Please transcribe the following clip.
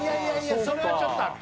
それはちょっとあった。